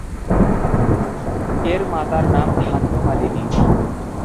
এঁর মাতার নাম ধান্যমালিনী।